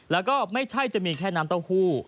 แล้วก็ไม่ใช่จะมีแค่น้ำเต้าหู้